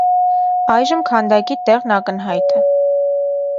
Այժմ քանդակի տեղն անհայտ է։